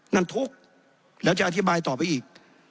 นั่นทุกข์แล้วจะอธิบายต่อไปอีก